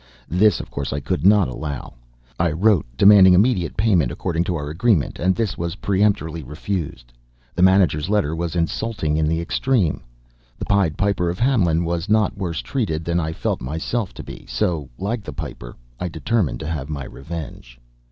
This, of course, I could not allow. I wrote, demanding immediate payment according to our agreement, and this was peremptorily refused. The manager's letter was insulting in the extreme. The Pied Piper of Hamelin was not worse treated than I felt myself to be; so, like the piper, I determined to have my revenge.